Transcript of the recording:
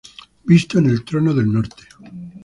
Visto en El Trono del Norte.